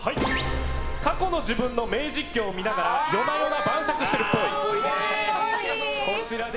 過去の自分の名実況を見ながら夜な夜な晩酌してるっぽい。